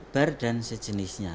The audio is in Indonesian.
bar dan sejenisnya